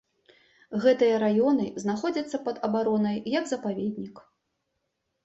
Гэтыя раёны знаходзяцца пад абаронай як запаведнік.